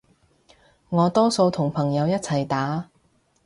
我多數同朋友一齊打